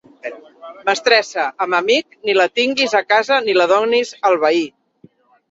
Mestressa amb amic, ni la tinguis a casa ni la donis al veí.